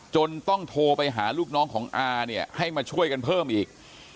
ต้องโทรไปหาลูกน้องของอาเนี่ยให้มาช่วยกันเพิ่มอีก